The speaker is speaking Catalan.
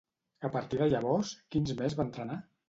A partir de llavors, quins més va entrenar?